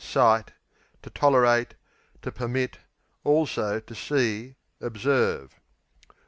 Sight To tolerate; to permit; also to see; observe.